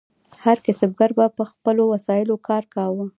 هر کسبګر به په خپلو وسایلو کار کاوه.